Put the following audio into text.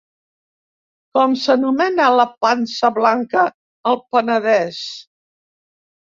Com s'anomena la pansa blanca al Penedès?